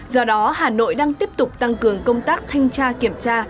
do đó hà nội đang tiếp tục tăng cường công tác thanh tra kiểm tra